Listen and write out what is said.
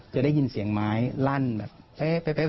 จะได้ยินเสียงไม้ลั่นแบบเป๊ะ